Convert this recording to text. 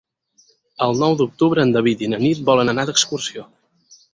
El nou d'octubre en David i na Nit volen anar d'excursió.